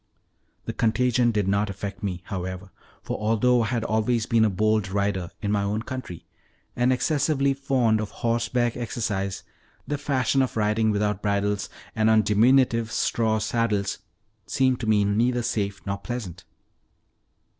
The contagion did not affect me, however, for, although I had always been a bold rider (in my own country), and excessively fond of horseback exercise, their fashion of riding without bridles, and on diminutive straw saddles, seemed to me neither safe nor pleasant.